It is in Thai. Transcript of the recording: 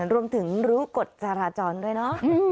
รวมถึงรู้กฎจราจรด้วยเนอะ